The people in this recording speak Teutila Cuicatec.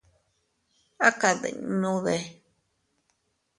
¿A kadinnuudee?.